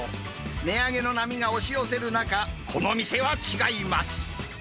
値上げの波が押し寄せる中、この店は違います。